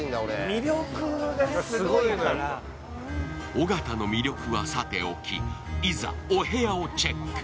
尾形の魅力はさておき、いざ、お部屋をチェック。